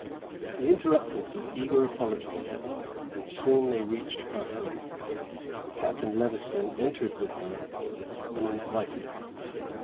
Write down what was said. He interrupted with eager apologies, and soon they reached her home. Captain Levison entered with her uninvited.